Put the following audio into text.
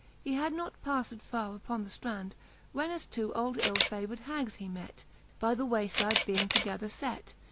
He had not paffed farre upon the ftrand. When as two old ill favour'd hags he met, By the way fide being together fet.